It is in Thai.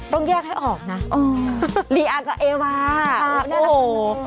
ต้องแยกให้ออกนะลีอาร์กับเอวาน่ารักมากเลย